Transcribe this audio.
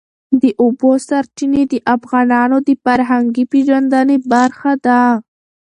د اوبو سرچینې د افغانانو د فرهنګي پیژندنې برخه ده.